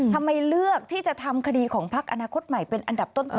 ทำไมเลือกที่จะทำคดีของพักอนาคตใหม่เป็นอันดับต้น